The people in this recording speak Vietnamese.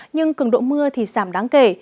nhưng cường độ mưa thì giảm đáng kể